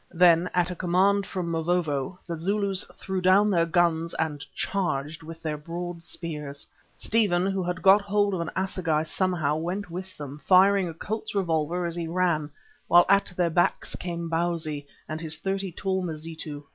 Then, at a command from Mavovo, the Zulus threw down their guns and charged with their broad spears. Stephen, who had got hold of an assegai somehow, went with them, firing a Colt's revolver as he ran, while at their backs came Bausi and his thirty tall Mazitu.